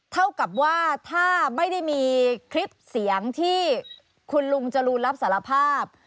เท่ากับว่าถ้าไม่ได้มีคลิปเสียงที่คุณลุงจรูนรับสารภาพ